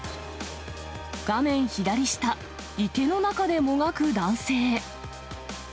画面左下、池の中でもがく男性。